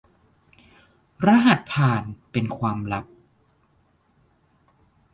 รหัสผ่านเป็นความลับ